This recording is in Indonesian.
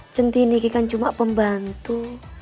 cinti ini kan cuma pembantu